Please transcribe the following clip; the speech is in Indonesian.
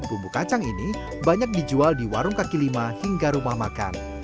bumbu kacang ini banyak dijual di warung kaki lima hingga rumah makan